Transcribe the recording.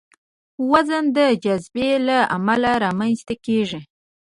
وزن د جاذبې له امله رامنځته کېږي.